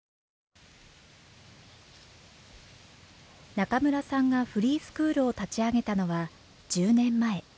中村さんがフリースクールを立ち上げたのは１０年前。